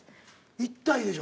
１体でしょ？